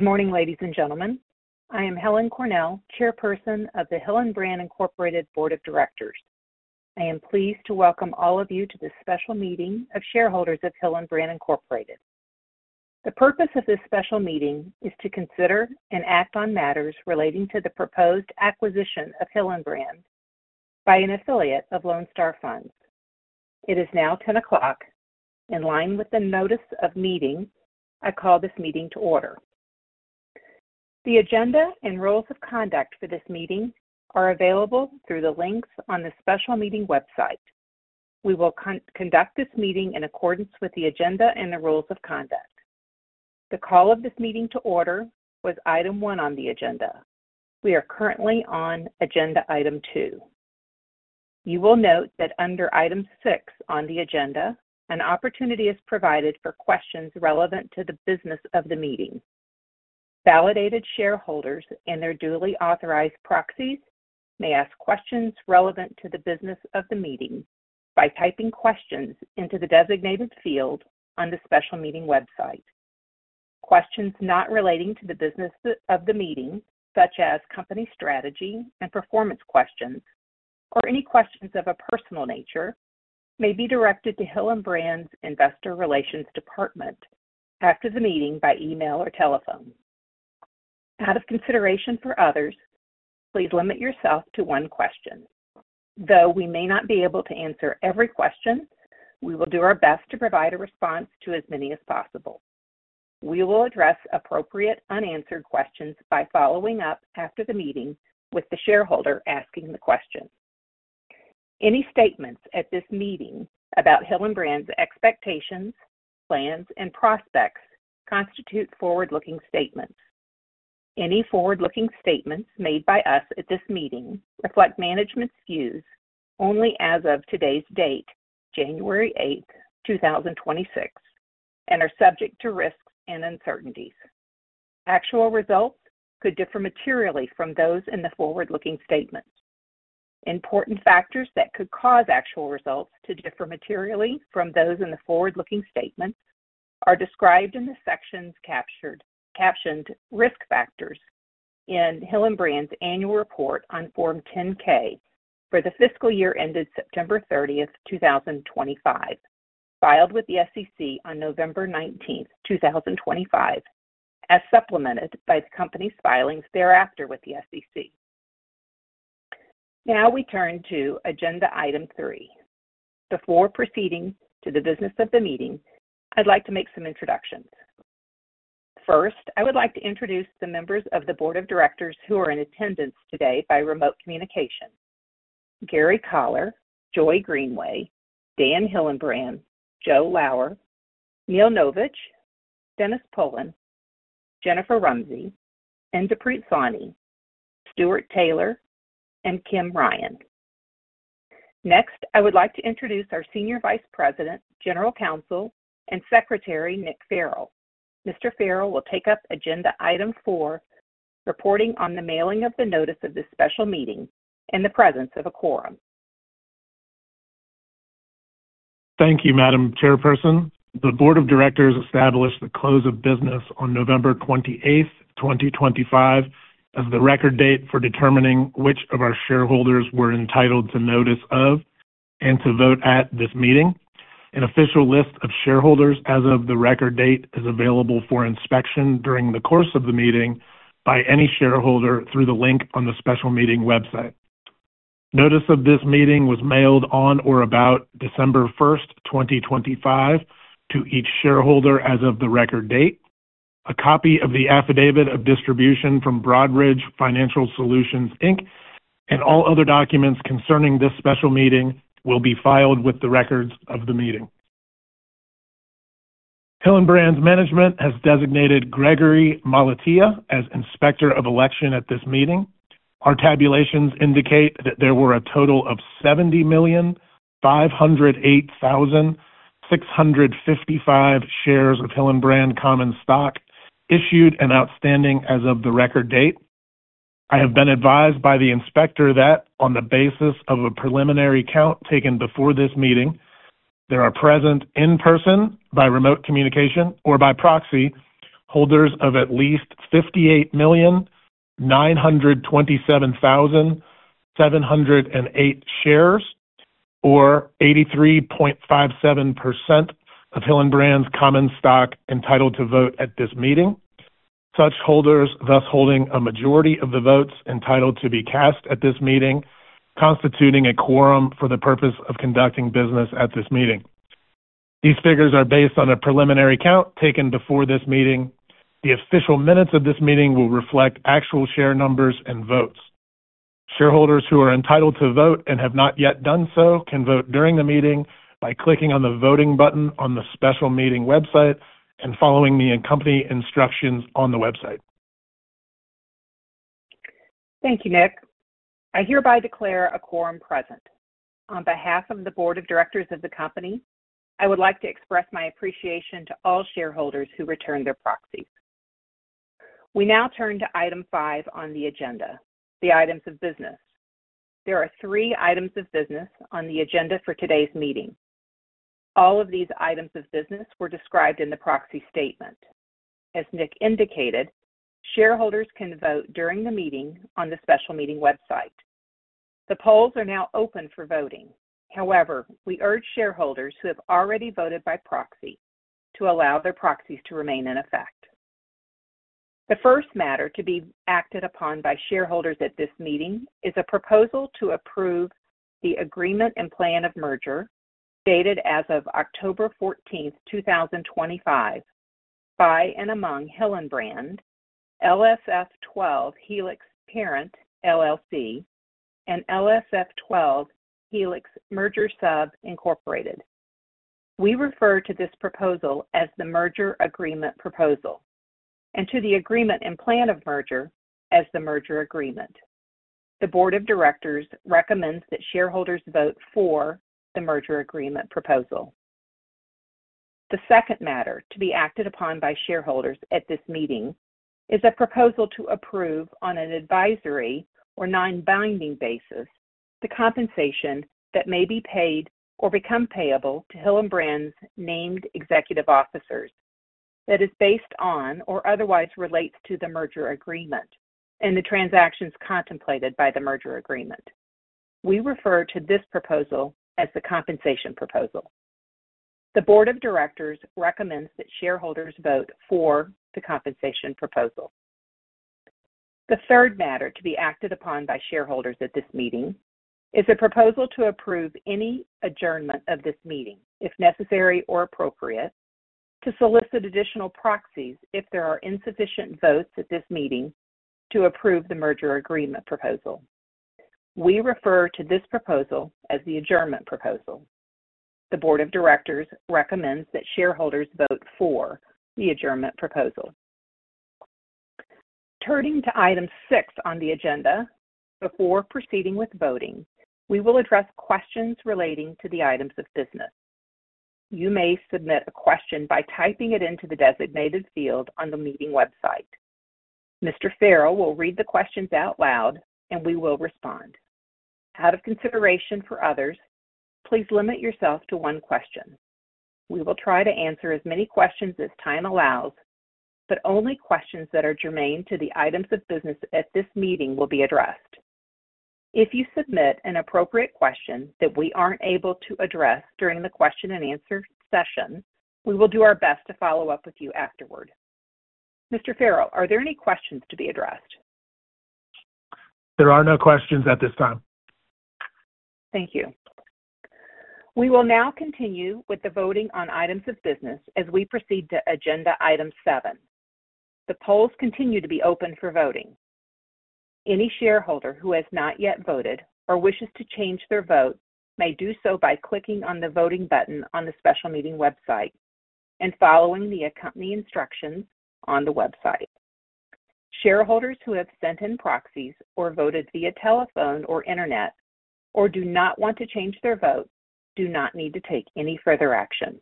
Good morning, ladies and gentlemen. I am Helen Cornell, Chairperson of the Hillenbrand Inc Board of Directors. I am pleased to welcome all of you to this special meeting of shareholders of Hillenbrand Inc. The purpose of this special meeting is to consider and act on matters relating to the proposed acquisition of Hillenbrand by an affiliate of Lone Star Funds. It is now 10:00 A.M. In line with the notice of meeting, I call this meeting to order. The agenda and rules of conduct for this meeting are available through the links on the special meeting website. We will conduct this meeting in accordance with the agenda and the rules of conduct. The call of this meeting to order was item one on the agenda. We are currently on agenda item two. You will note that under item six on the agenda, an opportunity is provided for questions relevant to the business of the meeting. Validated shareholders and their duly authorized proxies may ask questions relevant to the business of the meeting by typing questions into the designated field on the special meeting website. Questions not relating to the business of the meeting, such as company strategy and performance questions, or any questions of a personal nature, may be directed to Hillenbrand's Investor Relations Department after the meeting by email or telephone. Out of consideration for others, please limit yourself to one question. Though we may not be able to answer every question, we will do our best to provide a response to as many as possible. We will address appropriate unanswered questions by following up after the meeting with the shareholder asking the question. Any statements at this meeting about Hillenbrand's expectations, plans, and prospects constitute forward-looking statements. Any forward-looking statements made by us at this meeting reflect management's views only as of today's date, January 8th, 2026, and are subject to risks and uncertainties. Actual results could differ materially from those in the forward-looking statements. Important factors that could cause actual results to differ materially from those in the forward-looking statements are described in the sections captioned Risk Factors in Hillenbrand's annual report on Form 10-K for the fiscal year ended September 30th, 2025, filed with the SEC on November 19th, 2025, as supplemented by the company's filings thereafter with the SEC. Now we turn to agenda item three. Before proceeding to the business of the meeting, I'd like to make some introductions. First, I would like to introduce the members of the Board of Directors who are in attendance today by remote communication: Gary Collar, Joy Greenway, Dan Hillenbrand, Joe Lower, Neil Novich, Dennis Pullin, Jennifer Rumsey, Inderpreet Sawhney, Stuart Taylor, and Kim Ryan. Next, I would like to introduce our Senior Vice President, General Counsel, and Secretary Nick Farrell. Mr. Farrell will take up agenda item four, reporting on the mailing of the notice of this special meeting in the presence of a quorum. Thank you, Madam Chairperson. The Board of Directors established the close of business on November 28th, 2025, as the record date for determining which of our shareholders were entitled to notice of and to vote at this meeting. An official list of shareholders as of the record date is available for inspection during the course of the meeting by any shareholder through the link on the special meeting website. Notice of this meeting was mailed on or about December 1st, 2025, to each shareholder as of the record date. A copy of the affidavit of distribution from Broadridge Financial Solutions, Inc, and all other documents concerning this special meeting will be filed with the records of the meeting. Hillenbrand's management has designated Gregory Malatia as Inspector of Election at this meeting. Our tabulations indicate that there were a total of 70,508,655 shares of Hillenbrand Common Stock issued and outstanding as of the record date. I have been advised by the Inspector that, on the basis of a preliminary count taken before this meeting, there are present in person, by remote communication, or by proxy, holders of at least 58,927,708 shares, or 83.57% of Hillenbrand's Common Stock entitled to vote at this meeting. Such holders thus holding a majority of the votes entitled to be cast at this meeting constitute a quorum for the purpose of conducting business at this meeting. These figures are based on a preliminary count taken before this meeting. The official minutes of this meeting will reflect actual share numbers and votes. Shareholders who are entitled to vote and have not yet done so can vote during the meeting by clicking on the voting button on the special meeting website and following the company instructions on the website. Thank you, Nick. I hereby declare a quorum present. On behalf of the Board of Directors of the company, I would like to express my appreciation to all shareholders who returned their proxies. We now turn to item five on the agenda, the items of business. There are three items of business on the agenda for today's meeting. All of these items of business were described in the proxy statement. As Nick indicated, shareholders can vote during the meeting on the special meeting website. The polls are now open for voting. However, we urge shareholders who have already voted by proxy to allow their proxies to remain in effect. The first matter to be acted upon by shareholders at this meeting is a proposal to approve the agreement and plan of merger dated as of October 14th, 2025, by and among Hillenbrand, LSF12 Helix Parent LLC, and LSF12 Helix Merger Sub, Inc. We refer to this proposal as the merger agreement proposal and to the agreement and plan of merger as the merger agreement. The Board of Directors recommends that shareholders vote for the merger agreement proposal. The second matter to be acted upon by shareholders at this meeting is a proposal to approve on an advisory or non-binding basis the compensation that may be paid or become payable to Hillenbrand's named executive officers that is based on or otherwise relates to the merger agreement and the transactions contemplated by the merger agreement. We refer to this proposal as the compensation proposal. The Board of Directors recommends that shareholders vote for the compensation proposal. The third matter to be acted upon by shareholders at this meeting is a proposal to approve any adjournment of this meeting if necessary or appropriate to solicit additional proxies if there are insufficient votes at this meeting to approve the merger agreement proposal. We refer to this proposal as the adjournment proposal. The Board of Directors recommends that shareholders vote for the adjournment proposal. Returning to item six on the agenda, before proceeding with voting, we will address questions relating to the items of business. You may submit a question by typing it into the designated field on the meeting website. Mr. Farrell will read the questions out loud, and we will respond. Out of consideration for others, please limit yourself to one question. We will try to answer as many questions as time allows, but only questions that are germane to the items of business at this meeting will be addressed. If you submit an appropriate question that we aren't able to address during the question-and-answer session, we will do our best to follow up with you afterward. Mr. Farrell, are there any questions to be addressed? There are no questions at this time. Thank you. We will now continue with the voting on items of business as we proceed to agenda item seven. The polls continue to be open for voting. Any shareholder who has not yet voted or wishes to change their vote may do so by clicking on the voting button on the special meeting website and following the company instructions on the website. Shareholders who have sent in proxies or voted via telephone or internet or do not want to change their vote do not need to take any further action.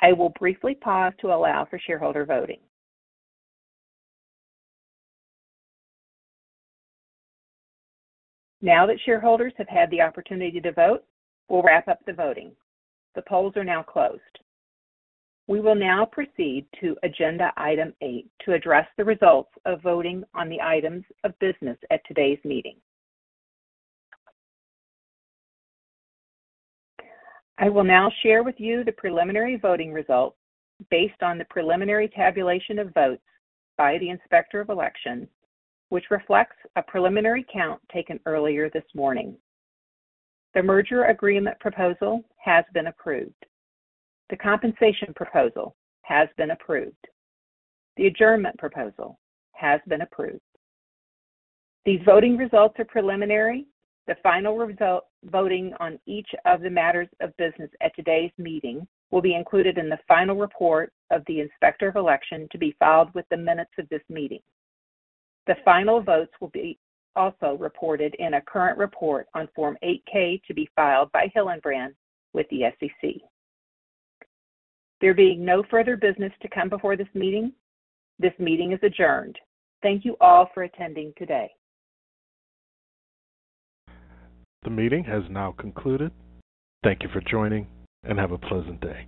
I will briefly pause to allow for shareholder voting. Now that shareholders have had the opportunity to vote, we'll wrap up the voting. The polls are now closed. We will now proceed to agenda item eight to address the results of voting on the items of business at today's meeting. I will now share with you the preliminary voting results based on the preliminary tabulation of votes by the Inspector of Election, which reflects a preliminary count taken earlier this morning. The Merger Agreement Proposal has been approved. The Compensation Proposal has been approved. The Adjournment Proposal has been approved. These voting results are preliminary. The final result voting on each of the matters of business at today's meeting will be included in the final report of the Inspector of Election to be filed with the minutes of this meeting. The final votes will be also reported in a current report on Form 8-K to be filed by Hillenbrand with the SEC. There being no further business to come before this meeting, this meeting is adjourned. Thank you all for attending today. The meeting has now concluded. Thank you for joining, and have a pleasant day.